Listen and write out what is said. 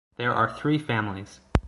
There are three families.